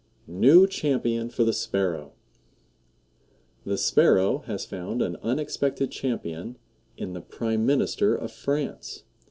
NEW CHAMPION FOR THE SPARROW. The Sparrow has found an unexpected champion in the Prime Minister of France.